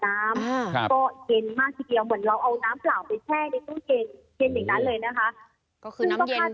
เหมือนเราเอาน้ำเปล่าไปแช่ในตู้เย็น